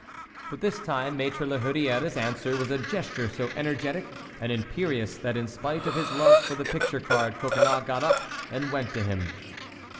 But this time Maître La Hurière's answer was a gesture so energetic and imperious that in spite of his love for the picture card Coconnas got up and went to him.